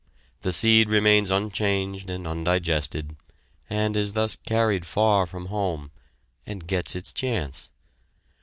The seed remains unchanged and undigested, and is thus carried far from home, and gets its chance.